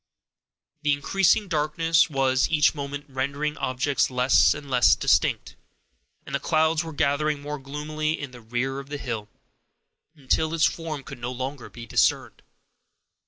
The increasing darkness was each moment rendering objects less and less distinct, and the clouds were gathering more gloomily in the rear of the hill, until its form could no longer be discerned.